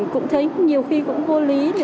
cũng thấy nhiều khi cũng vô lực